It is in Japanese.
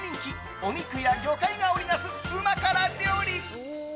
お肉や魚介が織りなすうま辛料理。